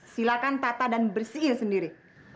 silakan tata dan bersihin sendiri